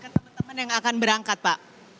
ke temen temen yang akan berangkat pak